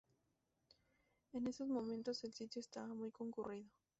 En esos momentos el sitio estaba muy concurrido.